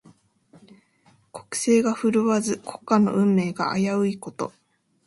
国勢が振るわず、国家の運命が危ういこと。